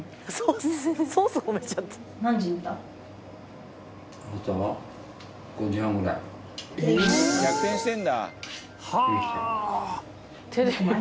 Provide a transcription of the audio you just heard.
うん。